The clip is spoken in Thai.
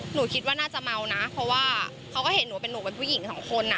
หนูคิดว่าน่าจะเมานะเพราะว่าเขาก็เห็นหนูเป็นหนูเป็นผู้หญิงสองคนอ่ะ